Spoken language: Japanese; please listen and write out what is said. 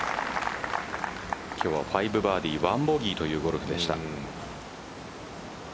今日は５バーディー１ボギーというゴルフでした。